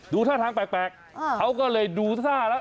ท่าทางแปลกเขาก็เลยดูท่าแล้ว